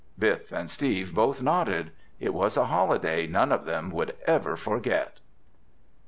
Biff and Steve both nodded. It was a holiday none of them would ever forget.